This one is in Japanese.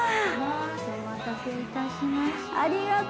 お待たせいたしました。